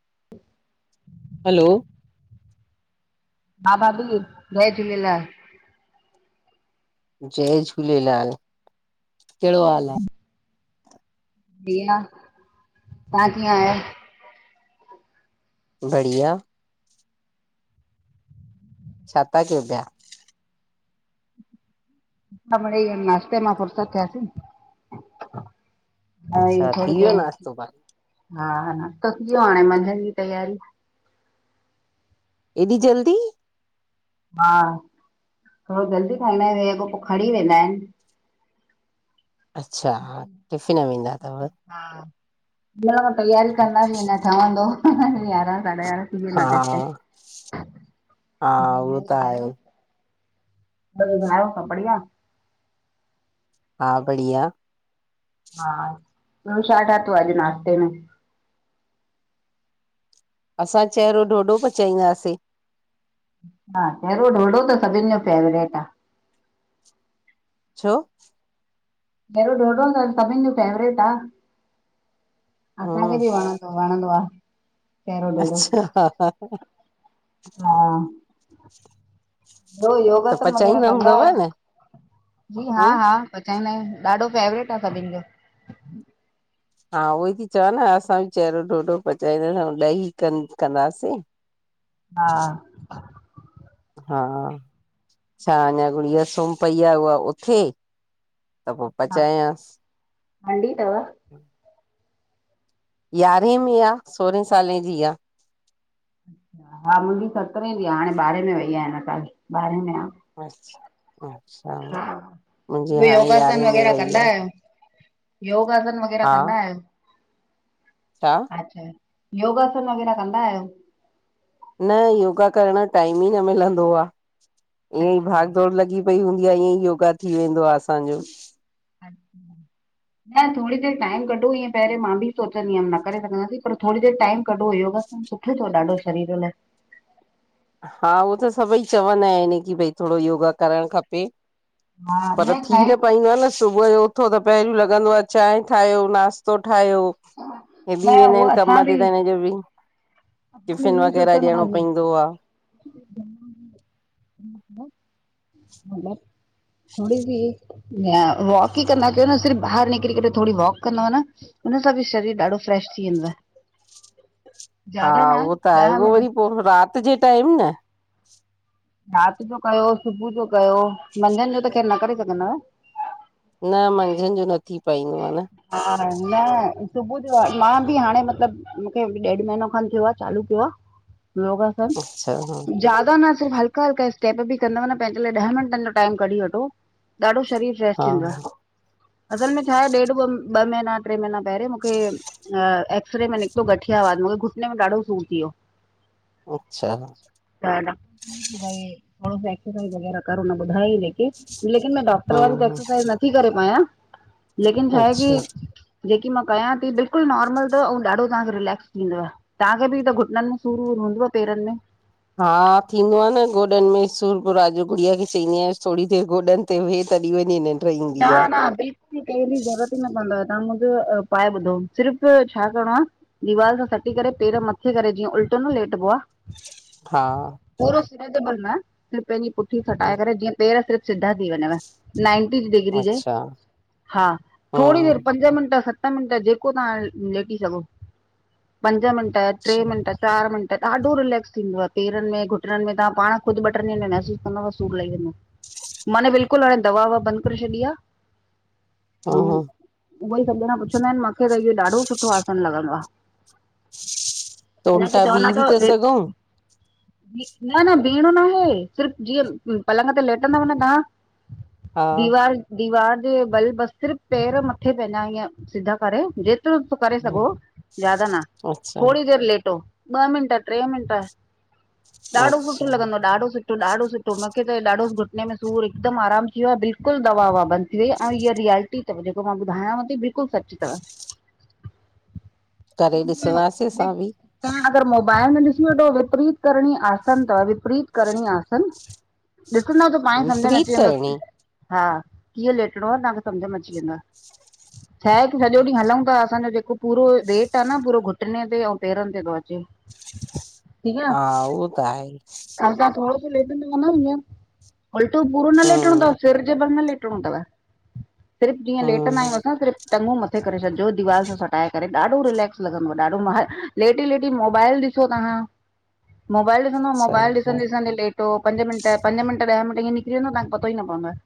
ह [inaudible] हलो हा भाभी! जय झूलेलाल जय झूलेलाल कहिड़ो किया आयो? हाल आहे? बढिया, तव्हां कीअं आहियो? बढ़िया छा था कयो पिया? हा मिड़ई नास्ते मां फुरसत थियासीं। हा ईअंई अच्छा, थोड़ी थी वियो घणी नाश्तो पाणी? हा नाश्तो थी वियो हाणे मंझंद जी तैयारी। एॾी जल्दी हा थोड़ो जल्दी खाईंदा हे अॻो पो खणी वेंदा आहिन। अच्छा हा टिफ़िन वेंदा तव हा न तयारी कंदासीं अञा ठहंदो यारहां साढा यारह हा हा, उहो त आहे, [unintelligible] ॿियो ॿुधायो सब बढ़िया। हा बढ़िया, हा तू छा ठातो आ अॼ नाश्ते में? असां चेरो ढोढो पचाईंदासीं। हा चेरो ढोढो ढो त सभिन जो फेवरेट आ। छो? चेरो ढोढो त सभिन जो फेवरेट आ असांखे हम्म, बि वणंदो। वणंदो आ। चहिरो ढोढो अच्छा, हा ॿियो त योगासन वग़ैरह पचाईंदा कंदा हूंदव न? आयो जी हा हम्म, हा पचाईंदा आयूं ॾाढो फेवरेट आ सभिन जो। हा उहोई त चवां न असां बि चेरो ढोढो पचाईंदासीं ॾही कन कंदासीं। हा हा छा अञा गुड़िया सुम पई आ उहा उथे त पो पचायांस। हंडी तव, हू यारहें में आ सोरहें सालें जी आ। हा मुंजी सतरे जी आ हाणे ॿारहें में वई आ हिन साल ॿारहें में आ। अच्छा हा हा ॿियो यारहें योगासन में वग़ैरह वई कंदा आ, आयो, योगासन वग़ैरह हा कंदा आयो, छा? अच्छा योगासन वग़ैरह कंदा आयो न योगा करण जो टाइम ई न मिलंदो आ। ईअं ई भाग अच्छा दौड़ लॻी पई हूंदी आ ईअं ई योगा थी वेंदो आ असांजो। अच्छा न थोड़ी देर टाइम कढो ईअं पेहरीं मां बि सोचंदी हुअम न करे सघंदासीं पर थोड़ी देर टाइम कढो योगा सुठो तव ॾाढो शरीर लाइ। हा उओ त सभई चवंदा आहिन कि भई थोड़ो योगा करण खपे। हा पर थी छा आहे न की पाईंदो आ न सुबुह जो उठो त पेहरों लॻंदो आ त चांय ठाहियो नास्तो ठाहियो। बिज़ी न वेंदा उहो आहिन असां कम बि ते त हिन जो बि टिफिन वग़ैरह ॾियणो पवंदो आ। [inaudible] थोड़ी बि या वॉक ई कंदा कयो न सिर्फ़ ॿाहिर निकरी करे थोड़ी वॉक कंदव न उन सां बि शरीर ॾाढो फ्रेश थी वेंदो वेंदुव। हा उहो त आए। ॾह उहो मिंट वरी पो राति जे टाइम न राति जो कयो सुबुह जो कयो मंझंनि जो त ख़ेरु न करे सघंदा। न मंझंनि जो नथी पाईंदो आह न। हा [unintelligible] न सुबुह जो मां बि हाणे, मतिलबु मूंखे ॾेढु महीनो खनि थियो आह चालू कयो आ लोग अथनि? अच्छा जयादा न सिर्फ हल्का-हल्का स्टेप बि कंदव न पंहिंजे लाइ। ॾह मिंटन जो टाइम कढी वठो ॾाढो शरीर हा टेस्ट थींदो हा आ। असल में छा आए ॾेढ ॿ ॿ महीना ट्रे महीना पेहरे मूंखे हा एक्सरे में निकितो गठिया वात, मुखे घुटने में ॾाढो सूर थियो। अच्छा त डाक्टर ने चई कि भई! थोड़ो सो एक्ससाइज वग़ैरह करो हुन ॿुधाइ जेके लेकिन पर‌ अॼ कल [unintelligible] हम्म एक्सरसाइज नथी करे पायां लेकिन छा आहे अच्छा की, जेकी मां कयां ती बिल्कुल नोर्मल तव अऊं ॾाढो तांखे रिलेक्स थींदव। तांखे बि त घुटिननि में सूर वूर हूंदव पेरन में? हा थींदो आ न! गोॾन में सूर पो राति जो गुड़िया खे चईंदी अयांस थोड़ी देर गोॾन [inaudible] कॾि-कॾि इदां अनि। ना-ना बि कि करण जी ज़रूरत ई न पवंदव, तां मुंजो उपाय ॿुधो सिर्फ़ु छा करणो आ दीवार सां सटी करे पेर मथे करे, जीअं उल्टो न लेटिबो आ? हा पुरो सिर जे बलि न, सिर्फु पेंजी पुठी सटाए करे। जीअं पेर सिर्फु सीधा थी वञव नाइन टी डिगरी जे अच्छा हा, थोड़ी देर हम्म पंज मिंट स त मिंट जेको तहां लेटी सघो पंज मिंट, ट्रै अच्छा मिंट चार मिंट ॾाढो! रिलेक्स थींदव पेरन में, घुटननि में तां पाण ख़ुदु ॿ ट्रिन ॾींहन में महसूस कंदव सूर लई वेंदो। मनि बिल्कुल हाण दवा-ववा बंद करी छॾी आ। हा हम्म हुवे ई‌ सब‌ ॼणा पुछंदा अनि मां? मिंखे त इयो ॾाढो सुठो आसन लॻंदो आ। त उल्टा उनखे चवंदा बीह बि त था ए सघूं न न बीयणो न आहे सिर्फु जीअं पलंग ते लेटंदव न तां हा दीवार दीवार जे बलि बसि, सिर्फु पेर मथे ते अञां ईअं सीधा करे जे तुरत करे सघो ज्यादा ना। अच्छा थोड़ी देर लेटो ॿ मिंट, ट्रे मिंट ॾाढो सुठो अच्छा लॻंदों! ॾाढो सुठो। मुखे ॾाढो सुठो मांखे त ॾाढो घुटने में सूर हिकदमि आराम थी वियो आ बिल्कुल बिल्कुल दवा ववा बंद थी वई, ऐं इअ रियलटी तव जेको मां ॿुधायांव ती बिल्कुल सच तव। खाली [inaudible] तां अगरि, मोबाइल में ॾिसी वठो विपरीत करणी आसन, तव विपरीत करणी आ। ॾिसंदव त पाण सम्झ में विपरीत अची वेंदो। करणी हा कीअं लेटणो आ तांखें? सम्झ में अची वेंदव छाए की सॼो ॾींहु हलऊं ता असांजो जेको पूरो वेट आ न पूरो घुटने ते अऊं पेरन ते तो त अचे ठीक आ, हा उहो आहे त असां थोङो लेटनो आ‌ न ईंअ। पल्टो पूरो न लेटणो तव हम्म सिर जे बल न लेटणो तव, सिर्फु जीअं हम्म लेटंदा आयूं असां सिर्फु टंगू मथे करे छॾिजो दीवार सां सटाए करे ॾाढो रिलेक्स लंगदंव ॾाढो लेटी लेटी मोबाइल ढि छो तां मोबाइल ॾिसंदव? मोबाइल सही ॾिसंदे ॾिसंदेे लेट पोइ पंज मिन्ट, पंज मिन्ट ॾह मिन्ट इएं निकरी वेंदव, तांखे पतो ई न पवंदो आहे।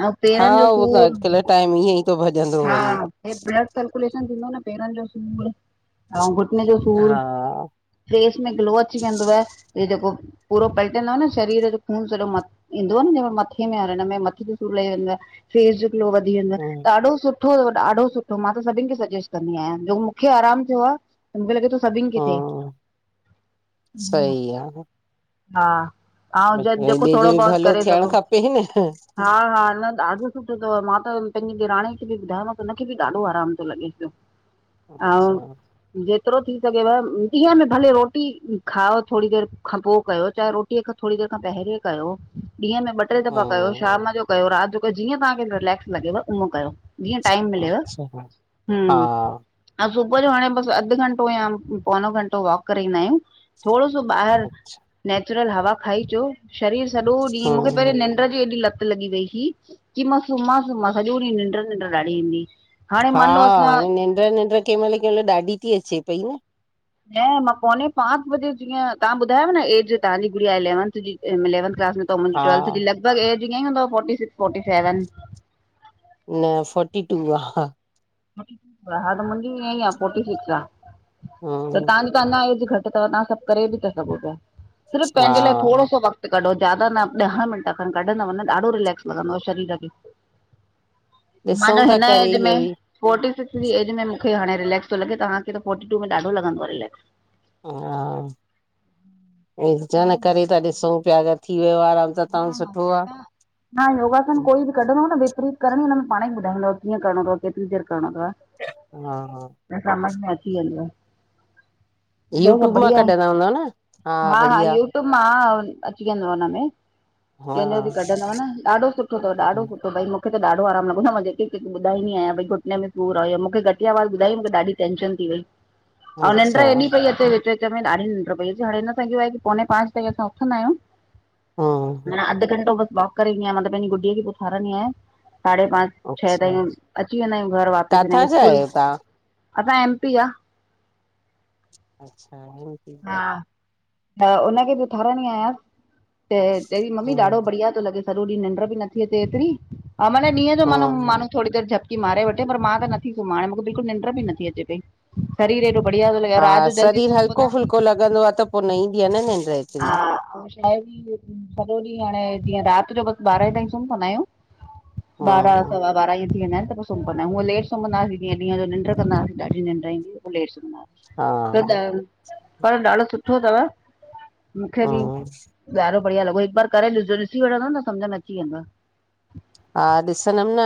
अऊं हा पेरन जो उहो त सूर, अॼुकल्ह टाइम ईअं ई थो भॼंदो हा वञे। हे ब्लड सर्कुलेशन थींदो न, पेरन जो सूर ऐं घुटने जो सूर हा फेस में ग्लो अची वेंदुव, हे जेको पूरो पलटदंव न, शरीर जो खून सॼो मथ इंदुव न जे में मथे इन में और हिन में मथे जो सूर लई वेंदुव, फेस जो ग्लो वधी वेंदो हूं ॾाढो सुठो सुठो, ॾाढो सुठो मां त सभिन खे सजेस्ट कंदी आयां जेको मुखे आरामु थियो आ मूंखे लॻे थो सभिन खे हा थे। हम्म, सही आ हा अऊं भई जेको ॿिए जो थोड़ो बि बहुत भलो करे सघऊं। [unintelligible] हा हा, न ॾाढो सुठो तव मां त पैंजी निराण खे बि ॿुधायोमांस, त हुनखे बि ॾाढो आराम तो लॻेस पियो। [inaudible] अऊं अच्छा जेतिरो थी सघेव, ॾीहं में भले रोटी खाओ थोरी देरि खां पोइ कयो, चाहे रोटी रोटी खां थोरी देर खां पहिरियों कयो, ॾींहं में ॿ टे दफ़ा कयो, शाम जो कयो, राति जो कयो ॼीअं तव्हांखे रिलेक्स लॻेव ऊअं कयो। जीअं टाइम मिलेव, हा हम्म हा, सुबुह जो हाणे बस अधु घंटो या पौणो घंटो वॉक करे ईंदा आहियूं। थोरो सो ॿाहिरि नेचुरल हवा खाई अचो, शरीर सॼो ॾींहुं मूंखे हूं ऐॾी लत लॻी वई हुई, कि मां सुम्हां सुम्हां सॼो ॾींहुं निंड निंड ॾाढी ईंदी। हाणे हा, मान लो असां हाणे निंड निंड कंहिं महिल, कंहिं महिल ॾाढी थी अचे पई न न मां पोनें पांच बजे ऊथंदी आहियां, तव्हां ॿुधायो न ऐज तव्हांजे गुडिया इलेवंथ जी इलेवन्थ क्लास में तव मुंहिंजी हा टवेल्थ जी लॻभग ऐज इअं ही हूंदव, फौटी सिक्स, फौटी सेवन न, फोर्टी टू आ फोर्टी आ, हा त मुंहिंजी ईअं ई आ, फोर्टी सिक्स आ, त हूं तव्हांजी त अञां ऐज घटि त, तव्हां सभु करे बि था सघो पिया, सिर्फ़ु हा पंहिंजे लाइ थोर सो वक़्तु त कढो, ज्यादा न ॾह मिंट, खन कढंदव न ॾाढो रिलेक्स लॻंदव शरीर खे ॾिसूं मांजो था हिन करे ऐज में इहो ई फोर्टी सिक्स जी ऐज में मूंखे हाणे रिलेक्स थो लॻे, तव्हखे त फोर्टी टू में ॾाढो लॻंदव रिलेक्स हा, इन करे था ॾिसूं पिया अगर थी वियो आराम सां हा, तव्हां हा, सुठो आ ह हा, योगासन कोई बि कढंदो न, विपरीत करण ई हुन में पाण ई ॿधाईंदो, कीअं करणो तव केतिरी देर करिणो तव हा, हा त समझ में अची वेंदव। ॿियो सभु यूट्यूब मां बढिया आहे? कढंदा हूंदव न? हा, हा, बढ़िया [unintelligible] मां अची वेंदो हुनमें हा कंहिंजो बि कढंदव न, ॾाढो सुठो तव, ॾाढो सुठो तव मूंखे त ॾाढो आरामु लॻंदो आ न, मां जेके कंहिंखे ॿुधाईंदी आहियां भई घुटने में सूर आहे, मूंखे घठिया वारे ॿुधायाईं मूंखे ॾाढी टेंशन थी वई [inaudible] अऊं निंड अच्छा हेॾी पई अचे, विच विच में ॾाढी निंड पई अचे हाणे हिन सां पंहिंजे लाइ पोने पांच ताईं असां उथंदा आहियूं हम्म मां अध घंटो बस वॉक करे ईंदी आहियां, मतलब पंहिंजे गुडे खे बि उथारंदी आहियां, साढ़े पांच छह अच्छा ताईं अची वेंदा आहियूं घर वापस, काथां हिनखे जा स्कूल, आहियो तव्हां? असां एम पी जा अच्छा हो बि हा, त हुनखे बि उथारणी आहियां, त चयईं मम्मी हम्म ॾाढो बढ़िया थो लॻेस सॼो ॾींहुं निंड बि न थी अचे ऐतरी, हा माना ॾींहं जो माना हम्म माण् थोरी देर झपकी मारे वठे, पर मां नथी सुमंहा मूंखे बिल्कुल निंड बि नी अचे पई शरीर, एॾो बढ़िया थो, लगे रात जो जल्दी समपोई न, पो लॻंदो आ त पो न ईंदी आ न निंड्र हा छा आहे सॼो ॾींहुं हाणे जीअं राति जो बस ॿारहें ताईं सुम पवंदा आहियूं। ॿारह हम्म सवा ॿारह इअं थी वेंदा आहिन त पो सुम पवंदा आयूं हुञा लेट सुम्हंदासीं जीअ ॾींं जो निंड कंदासीं निंड्र पो लेट हा सुम्हंदासीं [unintelligible] पर ॾाढो सुठो थव। मुखे बि हम्म ॾाधो बढ़िया लॻो हिक बार करे ॾिस जो ॾिसी वठंदो न समझ में अचीवेंदव। हा ॾिसंदम न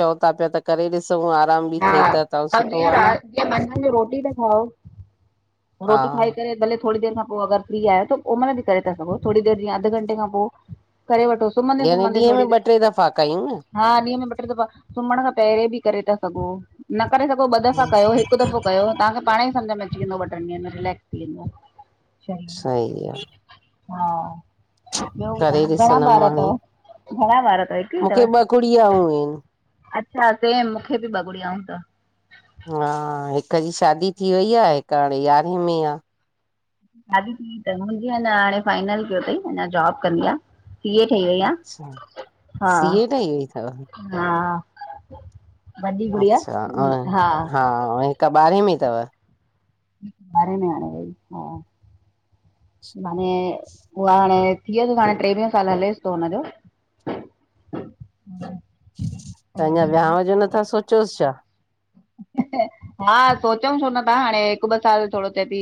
चओ था त करे चंगो आराम बि थे हा त, त ऐं सुठो जीअं आ न राति जीअं मंझंदि जो रोटी था खाओ हा रोटी खाई करे भले थोॾी देर खां पो अगर फ्री आयो त ओ मल बि करे था सघो थोड़ी देर जीअं अध घंटे खां पो करे वठोस। यानी सुम्हंदे-सुम्हंद ॾींहं में थोड़ी ॿ देर टे दफ़ा कयूं न हा ॾींहं में ॿ ट्रे दफ़ा सुम्हण खां पहरे बि करे था सघो न करे सघो ॿ दफ़ा कयो हिक दफ़ो कयो तांखे पाणई सम्झ में अची वेंदो ॿ ट्रिन ॾींहंनि में रिलेक्स थी वेंदोआ। सही आ हा ॿयो करे बुधायो घणा ॾिसंदमि बार हाणे तव घणा बार तव? मूंखे ॿ गुड़ियाऊं आहिनि। अच्छा सेम मूंखे बि बॻुड़िय आऊं तव हा हिक जी शादी थी वई आ, हिकु हाणे यारहें में आ। शादी थी तन मुंहिंजी अञा हाणे फाइनल कयो अथई अञा जाॅब कंदी आ सीए ठई वई हा। अच्छा हा सीए ठही वई थव हा वॾी गुड़िया हा। हिकु ॿारहें में अथव? बारे में हाणे वई हा। माने, उहा हाणे, थीयस हाणे टेवीह साल हलेसि थो हुनजो। त अञा विहांउ जो नथा सोचियोसि छा? हा सोचऊ छो न त हाणे हिकु ॿ साल थोॾो थिए थी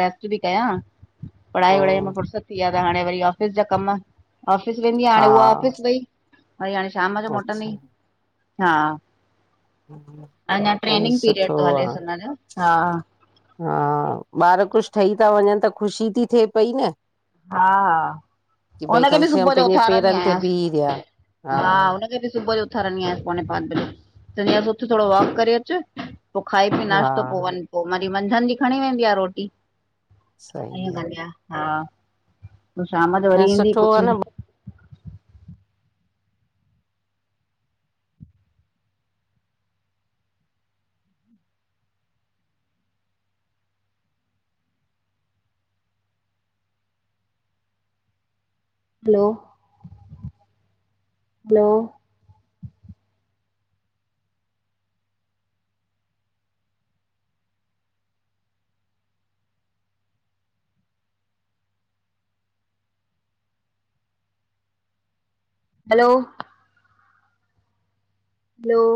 रेस्ट बि कयां पढ़ाई वढ़ाई मां हम्म फुरसत थी वया त हाणे वरी ऑफिस जा कम। ऑफिस वेंदी हा हाणे उहा ऑफिस वई, वरी हाणे शाम जो अच्छा मोटंदी हा। [inaudible] अञा हलो ट्रेनिंग पीरियड सुठो थो हलेस आ। हुन जो हा ॿार कुझु ठही था वञनि त ख़ुशी थी थे पई न हा हा की भई हुनखे कम बि से कम सुबुह जो पंहिंजे उथारंदी पेरनि ते बीह रहिया आहियसि। हा हुनखे बि सुबुह जो, उथारिंदी आहयास पोेने पांच बजे, त चवंदी आहयास उथ। थोॾो वॉक करे अचे। पो खाई पी हा नाश्तो पो वञ, पोइ वरी मंझंन जी खणी वेंदी आ रोटी ईय सही आ कंदीया हा पोइ शाम जो न वरी ईंदी सुठो आ कुझु न ॿियो-ॿियो? हलो हलो